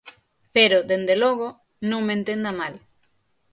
Pero, dende logo, non me entenda mal.